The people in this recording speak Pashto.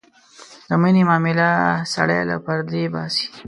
د مینې معامله سړی له پردې باسي.